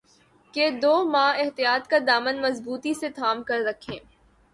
کہ دو ماہ احتیاط کا دامن مضبوطی سے تھام کررکھیں